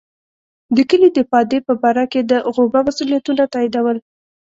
د کلي د پادې په باره کې د غوبه مسوولیتونه تاییدول.